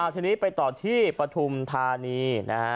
ทีนี้ไปต่อที่ประธุมธานี